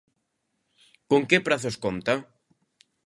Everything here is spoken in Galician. Con que prazos conta?